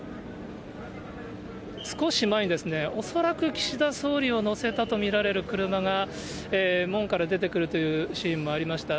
少し前に、恐らく岸田総理を乗せたと見られる車が門から出てくるというシーンもありました。